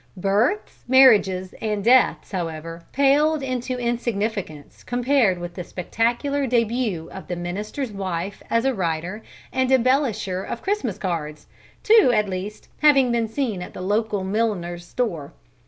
Births, marriages, and deaths, however, paled into insignificance compared with the spectacular début of the minister's wife as a writer and embellisher of Christmas cards, two at least having been seen at the local milliner's store.